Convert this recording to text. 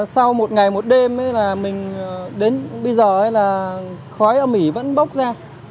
sau một ngày một đêm là mình đến bây giờ là khói âm ỉ vẫn bốc ra